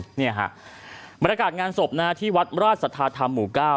บรรยากาศงานศพที่วัดราชสัทธาธรรมหมู่๙